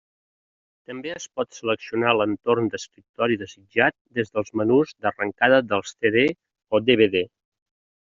També es pot seleccionar l'entorn d'escriptori desitjat des dels menús d'arrencada dels CD o DVD.